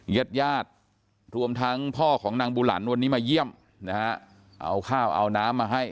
เย็ดรวมทั้งพ่อของนางบูหลันวันนี้มาเยี่ยมเอาข้าวเอาน้ำมาให้